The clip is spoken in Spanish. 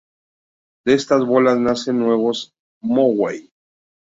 De estas bolas nacen nuevos Mogwai.